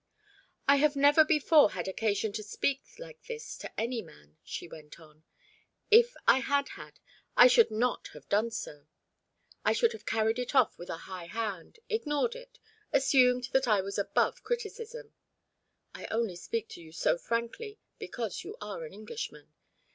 "I have never before had occasion to speak like this to any man," she went on. "If I had had, I should not have done so. I should have carried it off with a high hand, ignored it, assumed that I was above criticism. I only speak to you so frankly because you are an Englishman.